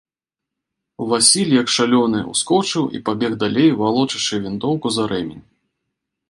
Васіль, як шалёны, ускочыў і пабег далей, валочачы вінтоўку за рэмень.